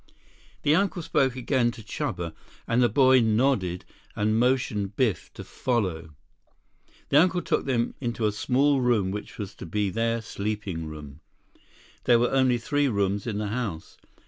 96 The uncle spoke again to Chuba, and the boy nodded and motioned Biff to follow. The uncle took them into a small room which was to be their sleeping room. There were only three rooms in the house.